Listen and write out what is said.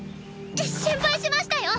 心配しましたよ！